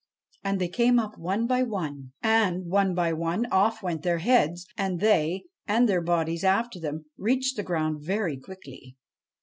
And they came up one by one ; and, one by one, off went their heads ; and they, and their bodies after them, reached the ground very quickly.